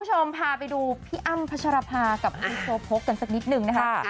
คุณผู้ชมพาไปดูพี่อั้มพระชรภากับพี่โชโภคกันสักนิดหนึ่งนะครับ